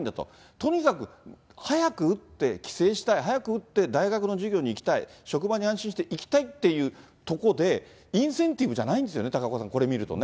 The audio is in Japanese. とにかく早く打って帰省したい、早く打って大学の授業に行きたい、職場に安心して行きたいっていうことで、インセンティブじゃないんですよね、高岡さんね、これ見るとね。